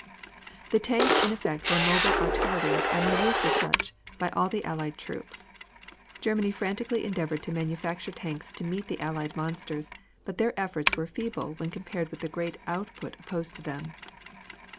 The tanks in effect were mobile artillery and were used as such by all the Allied troops. Germany frantically endeavored to manufacture tanks to meet the Allied monsters, but their efforts were feeble when compared with the great output opposed to them.